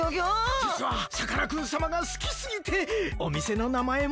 じつはさかなクンさまがすきすぎておみせのなまえも。